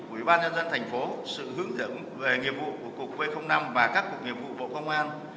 ủy ban nhân dân thành phố sự hướng dẫn về nghiệp vụ của cục v năm và các cục nghiệp vụ bộ công an